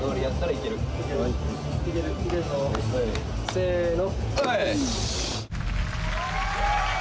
せの！